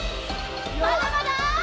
まだまだ！